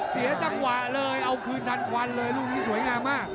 เสียจังหวะเลยเอาคืนทันควันเลยลูกนี้สวยงามมาก